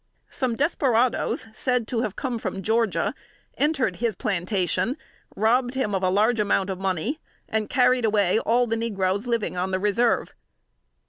Some desperadoes, said to have come from Georgia, entered his plantation, robbed him of a large amount of money, and carried away all the negroes living on the Reserve.